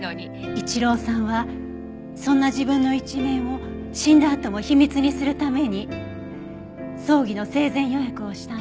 一郎さんはそんな自分の一面を死んだあとも秘密にするために葬儀の生前予約をしたんです。